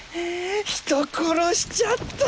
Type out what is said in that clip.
人殺しちゃった！